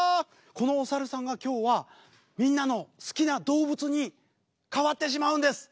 このお猿さんが今日はみんなの好きな動物に変わってしまうんです。